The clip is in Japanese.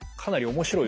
面白い。